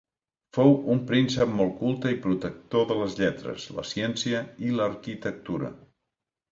Fou un príncep molt culte i protector de les lletres, la ciència i l'arquitectura.